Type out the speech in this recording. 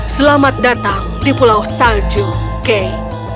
selamat datang di pulau salju kay